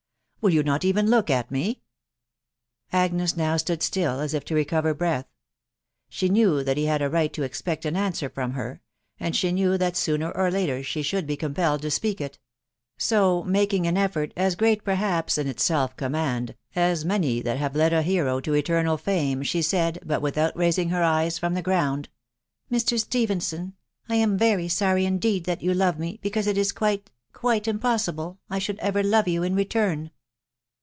. Will you not even look at me ?" Agnes now steed still as if to recover breath. She knew that he had a right to expect an answer from her, and she knew that sooner or later she should *be compelled to speak it ; so, making an efibrt as great perhaps in its self command as many that have led a hero to eternal fame, she said, but with out raising her eyes from the ground, " Mr. Stephenson, I am very sorry indeed that you love me, because it is quite, quite impossible I should ever love you in return.